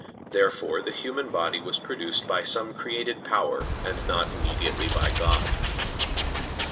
Therefore the human body was produced by some created power, and not immediately by God.